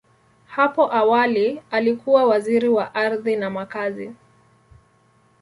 Hapo awali, alikuwa Waziri wa Ardhi na Makazi.